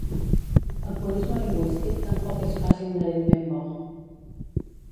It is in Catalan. El purisme lingüístic tampoc és pas inherentment bo.